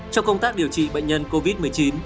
trong công tác điều trị bệnh nhân covid một mươi chín